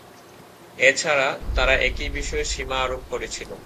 এছাড়া, তারা একই বিষয়ে সীমা আরোপ করেছিল।